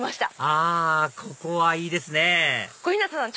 あここはいいですね小日向さん